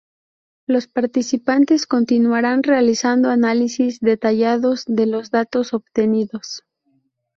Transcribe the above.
Los participantes continuaran realizando análisis detallados de los datos obtenidos.